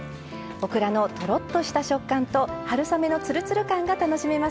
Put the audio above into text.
オクラのとろっとした食感と春雨のつるつる感が楽しめますよ。